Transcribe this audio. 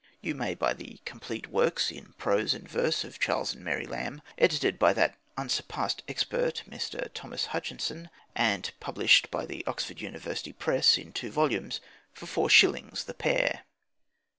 (You may buy the complete works in prose and verse of Charles and Mary Lamb, edited by that unsurpassed expert Mr. Thomas Hutchison, and published by the Oxford University Press, in two volumes for four shillings the pair!)